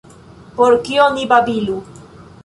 Por kio ni babilu.